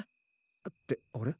ってあれ？